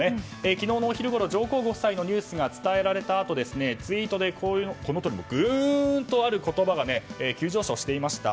昨日のお昼ごろ、上皇ご夫妻のニュースが伝えられたあとツイートで、グンとある言葉が急上昇していました。